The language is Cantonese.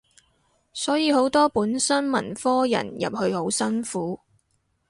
所以好多本身文科人入去好辛苦